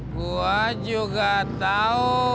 gua juga tahu